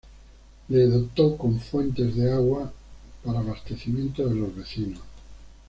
Le dotó con fuentes de agua para abastecimiento de los vecinos.